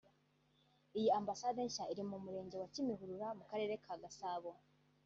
Iyi Ambasade nshya iri mu Murenge wa Kimihurura mu Karere ka Gasabo